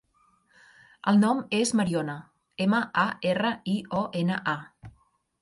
El nom és Mariona: ema, a, erra, i, o, ena, a.